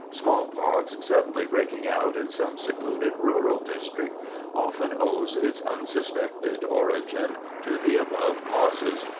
"Smallpox, suddenly breaking out in some secluded rural district, often owes its unsuspected origin to the above causes.